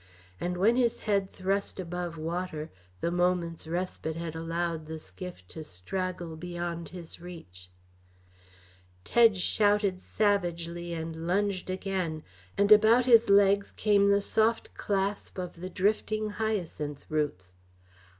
And when his head thrust above water, the moment's respite had allowed the skiff to straggle beyond his reach. Tedge shouted savagely and lunged again and about his legs came the soft clasp of the drifting hyacinth roots.